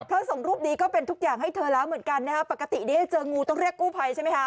เพราะสงศ์รูปดีก็เป็นทุกอย่างให้เธอเหมือนกันนะปกติเจองูต้องเรียกกู้ภัยใช่ไหมคะ